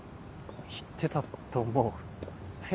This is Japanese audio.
言ってたと思うえ？